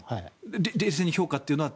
冷静に評価というのは？